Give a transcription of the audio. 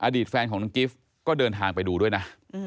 อดีตแฟนของน้องกิฟต์ก็เดินทางไปดูด้วยนะ